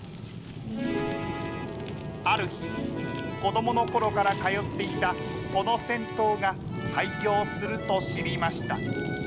ある日、子どものころから通っていたこの銭湯が廃業すると知りました。